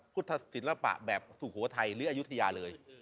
พุทธศิลปะแบบสุโขทัยหรืออายุทยาเลย